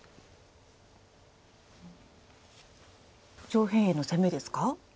上辺への攻めですか？